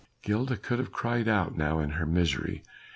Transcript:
Gilda could have cried out now in her misery.